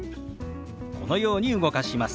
このように動かします。